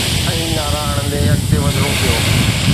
۽ نعرا هڻندي اڳتي وڌڻو پيو.